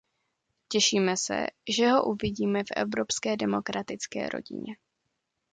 Těšíme se, že ho uvidíme v evropské demokratické rodině.